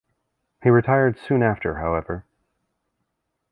He retired soon after, however.